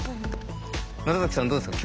奈良さんどうですか？